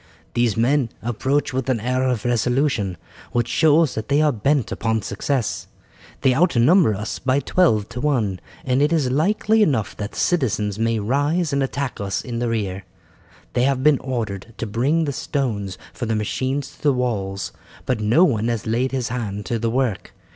"These men approach with an air of resolution which shows that they are bent upon success. They outnumber us by twelve to one, and it is likely enough that the citizens may rise and attack us in the rear. They have been ordered to bring the stones for the machines to the walls, but no one has laid his hand to the work.